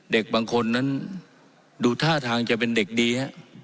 เด็กบางคนนั้นดูท่าทางจะเป็นเด็กดีฮะ